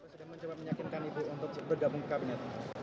saya mau coba menyakinkan ibu untuk bergabung ke kabinet